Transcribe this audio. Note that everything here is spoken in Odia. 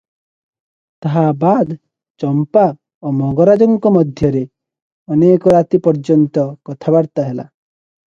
ତାହାବାଦ୍ ଚମ୍ପା ଓ ମଙ୍ଗରାଜଙ୍କ ମଧ୍ୟରେ ଅନେକ ରାତି ପର୍ଯ୍ୟନ୍ତ କଥାବାର୍ତ୍ତା ହେଲା ।